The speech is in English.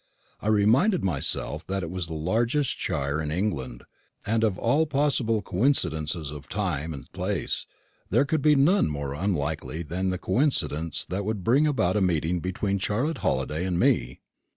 I reminded myself that it was the largest shire in England, and that of all possible coincidences of time and place, there could be none more unlikely than the coincidence that would bring about a meeting between Charlotte Halliday and me.